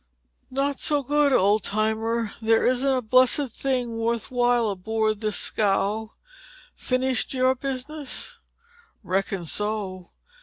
"Not so good, old timer. There isn't a blessed thing worth while aboard this scow. Finish your business?" "Reckon so.